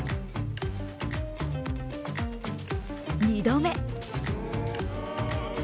２度目。